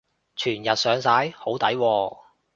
全日上晒？好抵喎